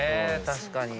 確かに。